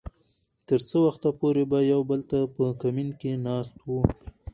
تر څه وخته پورې به يو بل ته په کمين کې ناست وو .